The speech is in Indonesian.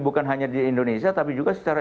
bukan hanya di indonesia tapi juga secara